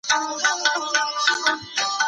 پاسپورټ د سفر اسناد دي.